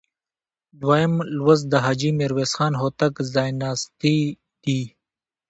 دویم لوست د حاجي میرویس خان هوتک ځایناستي دي.